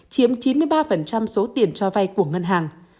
chiếm chín mươi ba số tiền cho vay của ngân hàng